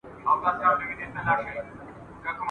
شمعي ته به نه وایو لمبه به سو بورا به سو !.